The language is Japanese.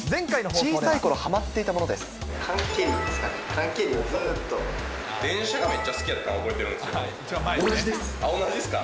小さいころ、はまっていたもので缶蹴りですかね。